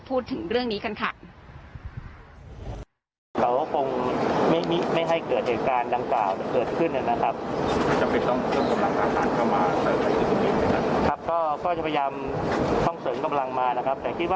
พูดถึงเรื่องนี้กันค่ะ